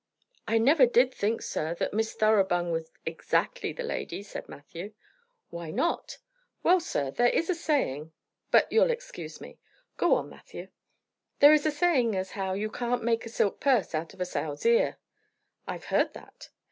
"I never did think, sir, that Miss Thoroughbung was exactly the lady," said Matthew. "Why not?" "Well, sir, there is a saying But you'll excuse me." "Go on, Matthew." "There is a saying as how 'you can't make a silk purse out of a sow's ear.'" "I've heard that."